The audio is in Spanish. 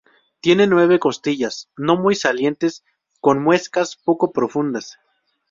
Tiene nueve costillas no muy salientes, con muescas poco profundas.